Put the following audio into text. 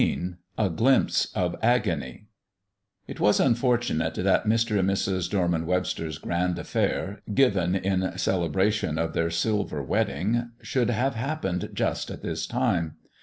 XVI A GLIMPSE OF AGONY IT was unfortunate that Mr. and Mrs. Dorman Webster's grand affair, given in celebration of their silver wedding, should have happened just at this time.